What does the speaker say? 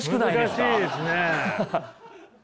難しいですね。